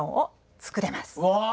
うわ！